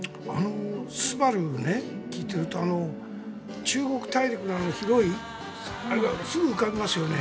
「昴−すばるー」を聴いていると中国大陸の、広いあれがすぐ浮かびますよね。